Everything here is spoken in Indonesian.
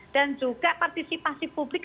dan juga partisipasi publik